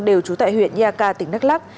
đều trú tại huyện nha ca tỉnh đắk lắc